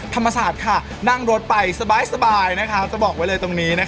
ธรรมศาสตร์ค่ะนั่งรถไปสบายจะบอกไว้เลย